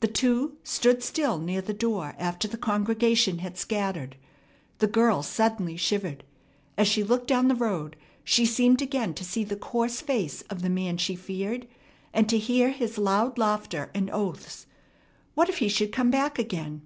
The two stood still near the door after the congregation had scattered. The girl suddenly shivered. As she looked down the road, she seemed again to see the coarse face of the man she feared, and to hear his loud laughter and oaths. What if he should come back again?